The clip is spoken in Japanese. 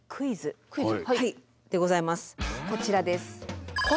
こちらです。